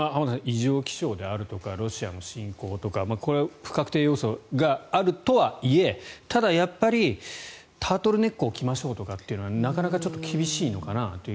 異常気象であるとかロシアの侵攻とかこれは不確定要素があるとはいえただ、やっぱりタートルネックを着ましょうとかというのはなかなかちょっと厳しいのかなと。